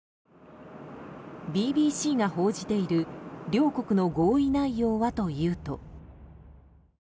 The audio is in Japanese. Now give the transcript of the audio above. ＢＢＣが報じている両国の合意内容はというと。